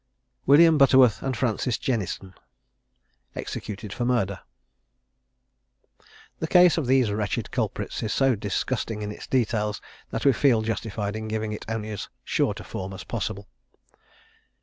WILLIAM BUTTERWORTH AND FRANCIS JENNISON. EXECUTED FOR MURDER. The case of these wretched culprits is so disgusting in its details, that we feel justified in giving it only in as short a form as possible.